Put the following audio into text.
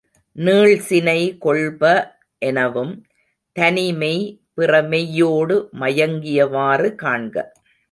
நீள்சினை கொள்ப எனவும் தனிமெய் பிறமெய்யோடு மயங்கியவாறு காண்க.